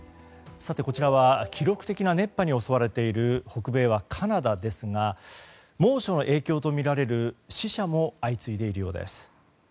さて、こちらは記録的な熱波に襲われている北米はカナダですが猛暑の影響とみられる死者も相次いでいるようです。